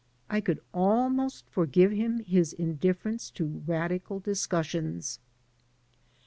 I could almost forgive him his indifference to radical discussions.